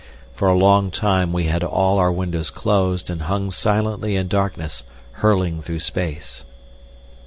For a long time we had all our windows closed and hung silently in darkness hurling through space.